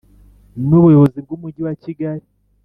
n Ubuyobozi bw Umujyi wa Kigali